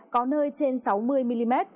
có nơi trên sáu mươi mm